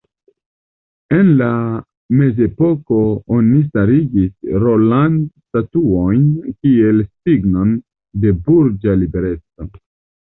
En la mezepoko oni starigis roland-statuojn kiel signon de burĝa libereco.